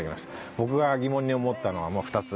僕が疑問に思ったのは２つ。